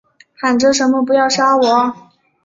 喊着什么不要杀我